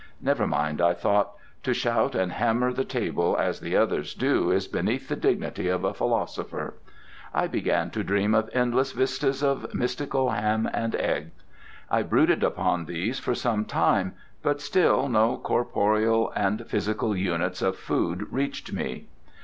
Never mind, I thought: to shout and hammer the table as the others do is beneath the dignity of a philosopher. I began to dream of endless vistas of mystical ham and eggs. I brooded upon these for some time, but still no corporeal and physical units of food reached me.